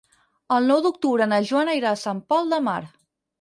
El nou d'octubre na Joana irà a Sant Pol de Mar.